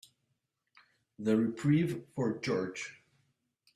The reprieve for George.